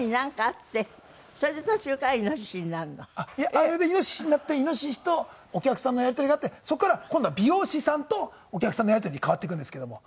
あれでイノシシになってイノシシとお客さんのやり取りがあってそこから今度は美容師さんとお客さんのやり取りに変わっていくんですけども。